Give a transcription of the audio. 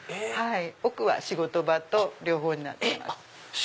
奥は仕事場と両方になってます。